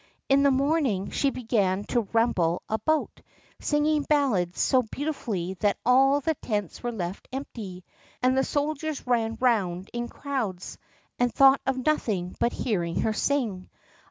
In the morning she began to ramble about, singing ballads so beautifully that all the tents were left empty, and the soldiers ran round in crowds, and thought of nothing but hearing her sing.